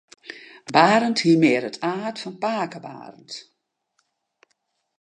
Barend hie mear it aard fan pake Barend.